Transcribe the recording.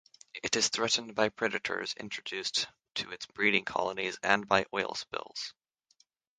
It is threatened by predators introduced to its breeding colonies and by oil spills.